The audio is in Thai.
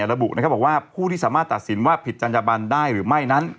ระบุบอกว่าผู้ที่สามารถตัดสินว่าผิดจัญญบันได้หรือไม่นั้น